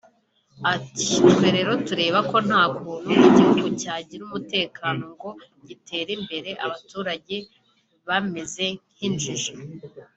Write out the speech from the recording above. Ati “Twe rero tureba ko nta kuntu igihugu cyagira umutekano ngo gitere imbere abaturage bameze nk’injiji